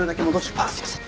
ああすいません。